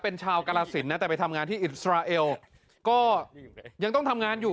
เป็นชาวกรสินนะแต่ไปทำงานที่อิสราเอลก็ยังต้องทำงานอยู่